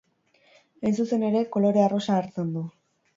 Hain zuzen ere, kolore arrosa hartzen du.